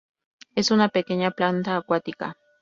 Es una pequeña planta acuática.